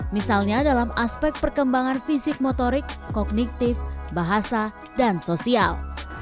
misalnya dalam aspek perkembangan fisik motorik kognitif bahasa dan sosial